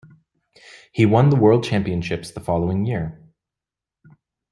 He won the World Championships the following year.